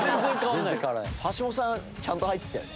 橋本さんちゃんと入ってたよね。